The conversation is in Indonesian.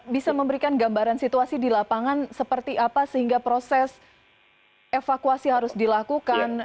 bisa memberikan gambaran situasi di lapangan seperti apa sehingga proses evakuasi harus dilakukan